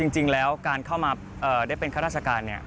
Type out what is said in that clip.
จริงแล้วการเข้ามาได้เป็นข้าราชการเนี่ย